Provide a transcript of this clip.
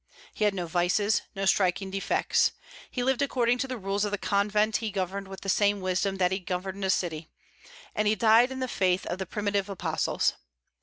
He had no vices, no striking defects. He lived according to the rules of the convent he governed with the same wisdom that he governed a city, and he died in the faith of the primitive apostles.